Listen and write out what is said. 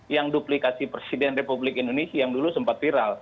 yang duplikasi presiden republik indonesia yang dulu sempat viral